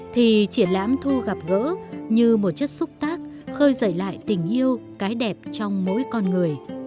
thì triển lãm thu gặp gỡ như một chất xúc tác khơi dậy lại tình yêu cái đẹp trong mỗi con người